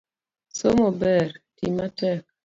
Somo ber, tii matek